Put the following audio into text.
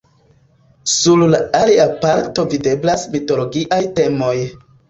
Sur la alia parto videblas mitologiaj temoj.